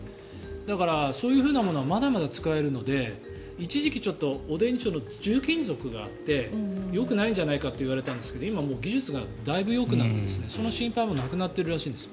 だから、そういうものはまだまだ使えるので一時期、汚泥に重金属があってよくないんじゃないかと言われたんですが今はもう技術がだいぶよくなってその心配もなくなっているらしいんです。